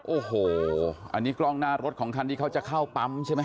โอ้โหอันนี้กล้องหน้ารถของคันที่เขาจะเข้าปั๊มใช่ไหม